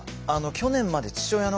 去年まで父親の介護